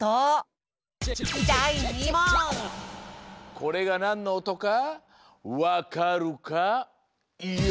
これがなんのおとかわかるかＹＯ！？